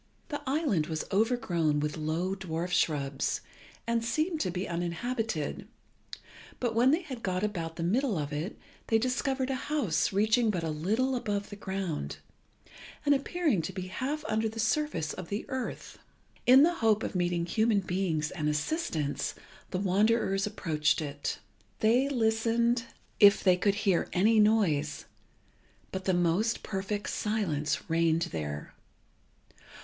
The island was overgrown with low dwarf shrubs, and seemed to be uninhabited; but when they had got about the middle of it, they discovered a house reaching but a little above the ground, and appearing to be half under the surface of the earth. In the hope of meeting human beings and assistance, the wanderers approached it. They listened if they could hear any noise, but the most perfect silence reigned there.